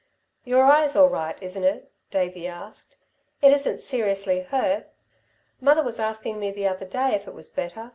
"Your eye's all right, isn't it?" Davey asked. "It isn't seriously hurt? Mother was asking me the other day if it was better.